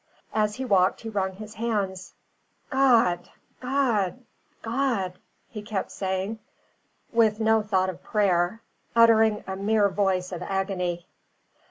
As he walked, he wrung his hands. "God God God," he kept saying, with no thought of prayer, uttering a mere voice of agony.